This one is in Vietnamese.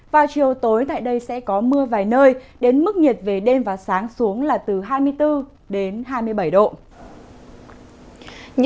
vào chiều tối tại đây sẽ có mưa vài nơi đến mức nhiệt về đêm và sáng xuống là từ hai mươi bốn đến hai mươi bảy độ